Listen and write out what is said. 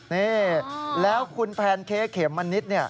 นี่แล้วคุณแพนเค้กเขมมันนิด